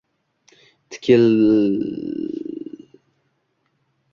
Tilda takbir-tavallo